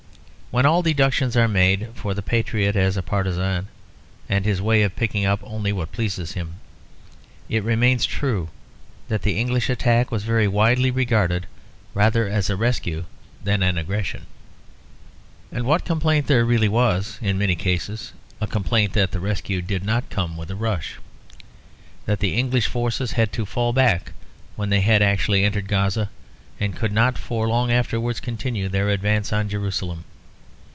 When all deductions are made for the patriot as a partisan, and his way of picking up only what pleases him, it remains true that the English attack was very widely regarded rather as a rescue than an aggression. And what complaint there was really was, in many cases, a complaint that the rescue did not come with a rush; that the English forces had to fall back when they had actually entered Gaza, and could not for long afterwards continue their advance on Jerusalem.